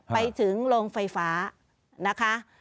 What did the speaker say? ไปถึงโรงไฟฟ้านะคะ